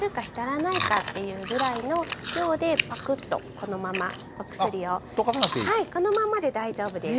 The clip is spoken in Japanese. このままで大丈夫です。